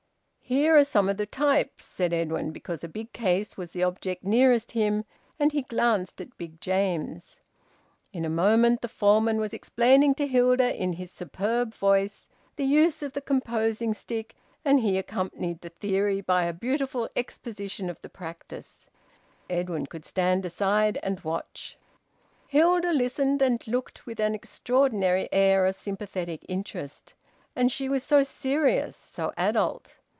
"Here are some of the types," said Edwin, because a big case was the object nearest him, and he glanced at Big James. In a moment the foreman was explaining to Hilda, in his superb voice, the use of the composing stick, and he accompanied the theory by a beautiful exposition of the practice; Edwin could stand aside and watch. Hilda listened and looked with an extraordinary air of sympathetic interest. And she was so serious, so adult.